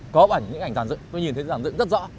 có những ảnh giàn dựng tôi nhìn thấy giàn dựng rất rõ